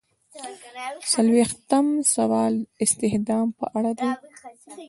څلویښتم سوال د استخدام په اړه دی.